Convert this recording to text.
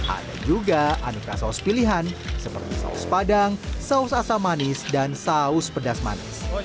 ada juga aneka saus pilihan seperti saus padang saus asam manis dan saus pedas manis